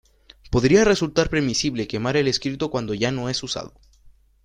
Podría resultar permisible quemar el escrito cuando ya no es usado.